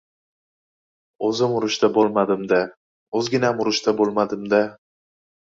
— O‘zim urushda bo‘lmadim-da, o‘zginam urushda bo‘lmadim-da!